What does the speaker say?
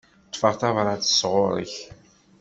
Ṭṭfeɣ tabrat sɣur-k.